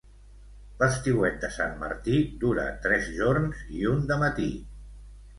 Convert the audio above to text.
L'estiuet de Sant Martí dura tres jorns i un dematí.